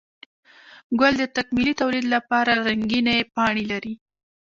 گل د تکميلي توليد لپاره رنګينې پاڼې لري